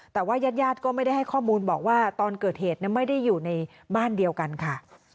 แต่ว่ายาดก็ไม่ได้ให้ข้อมูลบอกว่าตอนเกิดเหตุไม่ได้อยู่ในบ้านเดียวกันค่ะ